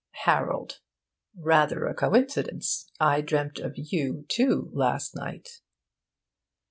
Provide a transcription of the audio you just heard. Harold: Rather a coincidence. I dreamt of you, too, last night.'